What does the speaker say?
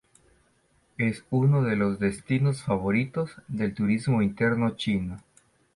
Es uno de los destinos favoritos del turismo interno chino.